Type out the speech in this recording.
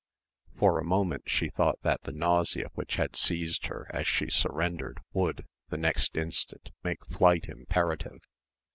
For a moment she thought that the nausea which had seized her as she surrendered would, the next instant, make flight imperative.